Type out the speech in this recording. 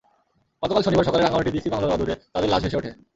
গতকাল শনিবার সকালে রাঙামাটি ডিসি বাংলোর অদূরে তাঁদের লাশ ভেসে ওঠে।